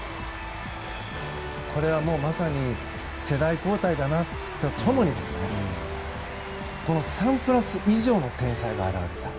これはもう、まさに世代交代だなと思ったのと共にサンプラス以上の天才が現れた。